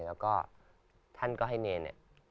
แล้วก็ท่านก็ให้เนรน